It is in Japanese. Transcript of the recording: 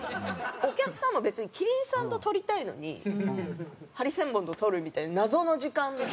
お客さんも別に麒麟さんと撮りたいのにハリセンボンと撮るみたいな謎の時間。